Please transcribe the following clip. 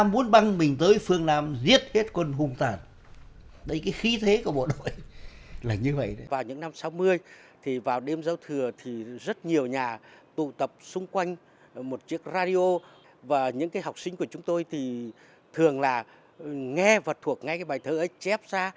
vào những năm sáu mươi vào đêm giáo thừa rất nhiều nhà tụ tập xung quanh một chiếc radio và những học sinh của chúng tôi thường nghe và thuộc ngay bài thơ ấy chép ra